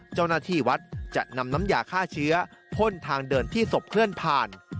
เจ้าหน้าที่วัดจะนำน้ำยาฆ่าเชื้อพ่นทางเดินที่ศพเคลื่อนผ่าน